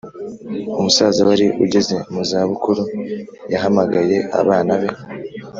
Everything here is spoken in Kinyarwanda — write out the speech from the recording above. umusaza wari ugeze mu za bukuru yahamagaye abana be